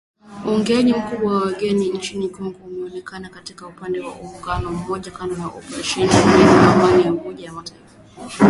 uingiliaji mkubwa wa kigeni nchini Kongo umeonekana katika kipindi cha muongo mmoja kando na operesheni ya kulinda Amani ya Umoja wa Mataifa